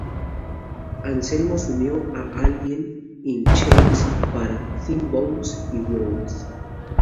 Anselmo se unió a Alice in Chains para "Them Bones" y "Would?